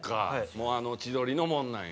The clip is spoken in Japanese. もうあの千鳥のもんなんや。